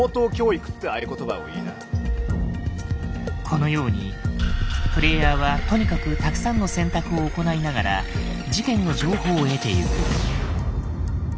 このようにプレイヤーはとにかくたくさんの選択を行いながら事件の情報を得てゆく。